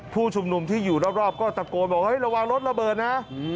ผู้ชุมนุมที่อยู่รอบก็ตะโกนบอกเฮ้ยระวังรถระเบิดนะ